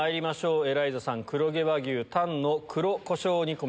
エライザさん、黒毛和牛タンの黒胡椒煮込み。